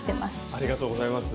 ありがとうございます。